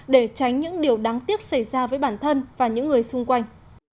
để tránh những điều đáng tiếc xảy ra với bản thân và những người xung quanh